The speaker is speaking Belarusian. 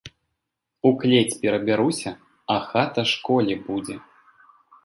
У клець перабяруся, а хата школе будзе!